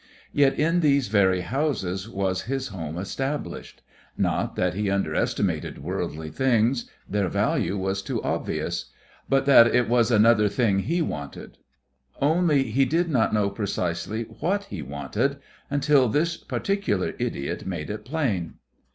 Yet in these very houses was his home established. Not that he under estimated worldly things their value was too obvious but that it was another thing he wanted. Only he did not know precisely what he wanted until this particular idiot made it plain.